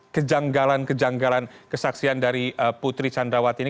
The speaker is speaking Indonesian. kejanggalan kejanggalan kesaksian dari putri candrawati ini